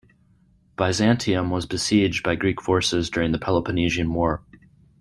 Byzantium was besieged by Greek forces during the Peloponnesian War.